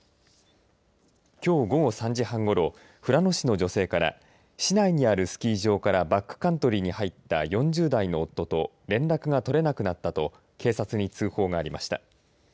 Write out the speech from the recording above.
きょう午後３時半ごろ富良野市の女性から市内にあるスキー場からバックカントリーに入った４０代の夫と連絡が取れなくなったと警察に通報がありました。